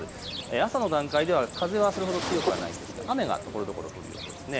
朝の段階では風はそれほど強くはないんですが雨がところどころ降る予想です。